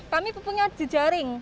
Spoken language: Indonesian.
kami pun punya jejaring